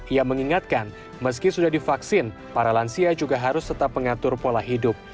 ia mengingatkan meski sudah divaksin para lansia juga harus tetap mengatur pola hidup